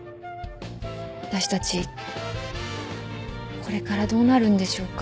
私たちこれからどうなるんでしょうか？